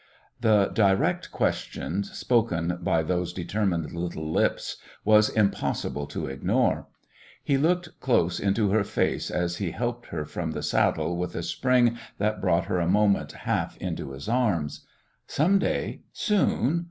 The direct question, spoken by those determined little lips, was impossible to ignore. He looked close into her face as he helped her from the saddle with a spring that brought her a moment half into his arms. "Some day soon.